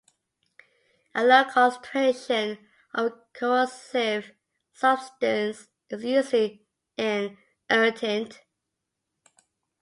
A low concentration of a corrosive substance is usually an irritant.